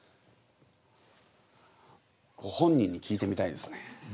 ご本人に聞いてみたいですね。